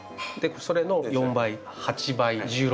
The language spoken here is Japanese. それの４倍８倍１６倍。